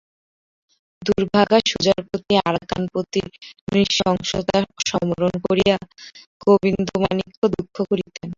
দুর্ভাগা সুজার প্রতি আরাকান-পতির নৃশংসতা সমরণ করিয়া গোবিন্দমাণিক্য দুঃখ করিতেন।